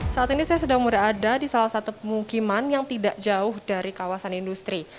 saat ini saya sedang berada di salah satu pemukiman yang tidak jauh dari kawasan industri